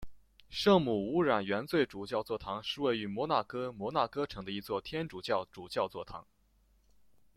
圣母无染原罪主教座堂是位于摩纳哥摩纳哥城的一座天主教主教座堂。